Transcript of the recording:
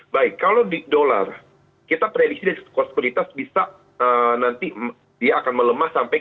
baik kalau di dolar kita prediksi diskursus kualitas bisa nanti dia akan melemah sampai ke empat belas tiga ratus